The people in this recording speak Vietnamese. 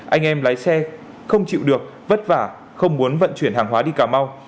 anh em lái xe không chịu được vất vả không muốn vận chuyển hàng hóa đi cà mau